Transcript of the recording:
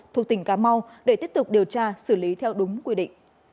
thuộc tỉnh cà mau để tiếp tục điều trị